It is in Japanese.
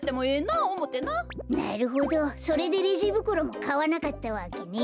なるほどそれでレジぶくろもかわなかったわけね。